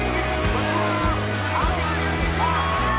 cukup cantik tadi kita lihat